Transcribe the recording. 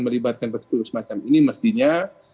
melibatkan persekusi semacam ini mestinya